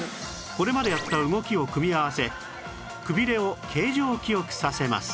これまでやった動きを組み合わせくびれを形状記憶させます